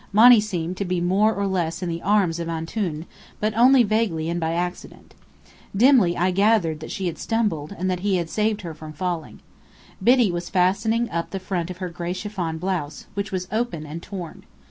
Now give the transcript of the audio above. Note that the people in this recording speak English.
Monny seemed to be more or less in the arms of Antoun, but only vaguely and by accident. Dimly I gathered that she had stumbled, and he had saved her from falling. Biddy was fastening up the front of her gray chiffon blouse, which was open, and torn.